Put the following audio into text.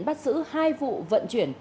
bắt giữ hai vụ vận chuyển